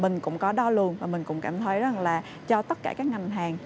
mình cũng có đo lường và mình cũng cảm thấy rằng là cho tất cả các ngành hàng